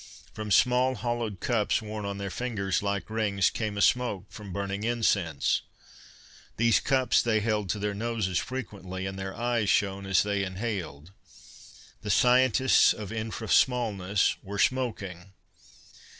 From small hollowed cups worn on their fingers like rings, came a smoke from burning incense. These cups they held to their noses frequently, and their eyes shone as they inhaled. The scientists of infra smallness were smoking!